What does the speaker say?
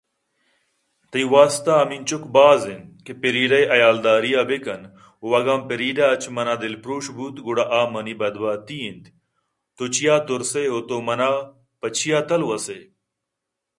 تئی واستہ ہمنچک باز اِنت کہ فریڈا ءِ حیالداری ءَ بہ کن ءُاگاں فریڈا اچ منا دلپرٛوش بوت گڑا آ منی بد بحتی اِنت تو چیاترسے تو من ءَ پہ چیاتلوسے